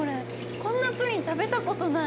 こんなプリン食べたことない。